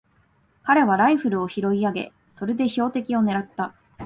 彼はライフルを拾い上げ、それで標的をねらった。